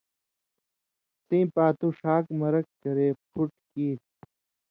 سِیں پاتُو ݜاک مرک کرے پُھٹ کیریۡ